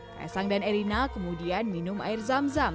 kaisang dan erina kemudian minum air zam zam